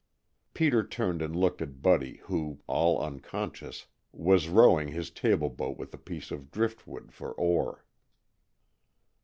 Peter turned and looked at Buddy who, all unconscious, was rowing his table boat with a piece of driftwood for oar.